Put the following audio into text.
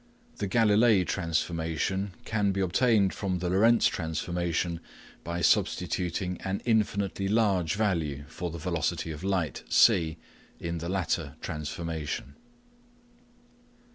The Galilei transformation can be obtained from the Lorentz transformation by substituting an infinitely large value for the velocity of light c in the latter transformation.